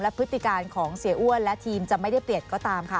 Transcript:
พฤติการของเสียอ้วนและทีมจะไม่ได้เปลี่ยนก็ตามค่ะ